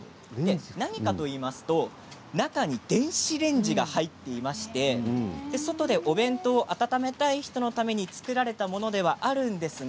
何かといいますと中に電子レンジが入っていまして外でお弁当を温めたい人のために作られたものではあるんですが